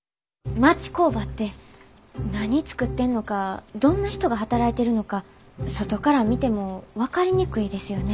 町工場って何作ってんのかどんな人が働いてるのか外から見ても分かりにくいですよね。